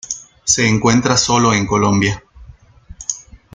Se encuentra sólo en Colombia.